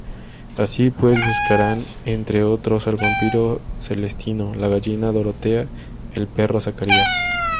Así pues, buscarán, entre otros, al vampiro Celestino, la gallina Dorotea, el perro Zacarías...